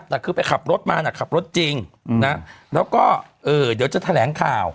แต่คือไปขับรถมาน่ะขับรถจริงนะแล้วก็เดี๋ยวจะแถลงข่าว